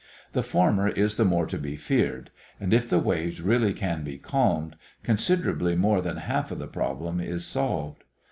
The former is the more to be feared; and if the waves really can be calmed, considerably more than half the problem is solved.